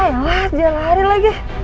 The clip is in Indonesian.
ayolah jangan lari lagi